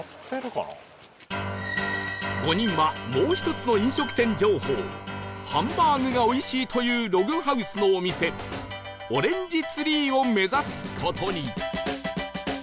５人はもう１つの飲食店情報ハンバーグがおいしいというログハウスのお店オレンジツリーを目指す事に